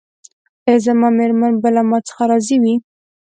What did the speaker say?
ایا زما میرمن به له ما څخه راضي وي؟